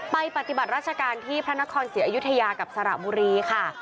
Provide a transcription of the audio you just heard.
ปฏิบัติราชการที่พระนครศรีอยุธยากับสระบุรีค่ะ